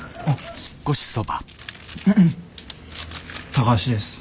高橋です。